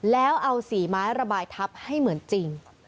แล้วเอาสีไม้ระบายทับให้เหมือนจริง